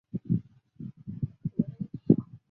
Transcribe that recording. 此时不丹还是西藏的边陲。